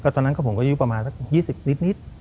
ตอนนั้นผมก็อายุประมาณสัก๒๐นิด